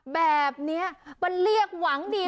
แบบนี้มันเรียกหวังดี